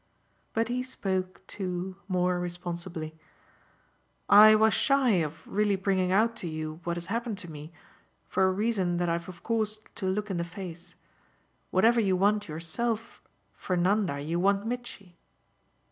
'" But he spoke too more responsibly. "I was shy of really bringing out to you what has happened to me, for a reason that I've of course to look in the face. Whatever you want yourself, for Nanda you want Mitchy."